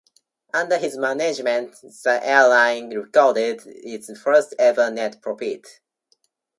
Under his management, the airline recorded its first ever net profit.